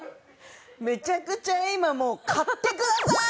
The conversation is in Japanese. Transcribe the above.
めちゃくちゃ今もう「買ってください！」の。